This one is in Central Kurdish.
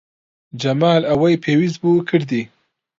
جەمال ئەوەی پێویست بوو کردی.